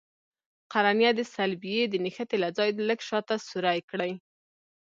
قرنیه د صلبیې د نښتې له ځای لږ شاته سورۍ کړئ.